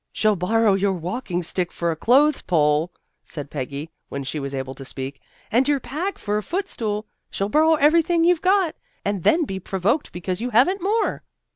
"She'll borrow your walking stick for a clothes pole," said Peggy, when she was able to speak, "and your pack for a footstool. She'll borrow everything you've got, and then be provoked because you haven't more."